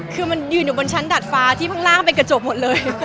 คือมันยืนอยู่บนชั้นดัดฟ้าที่ข้างล่างเป็นกระจกหมดเลย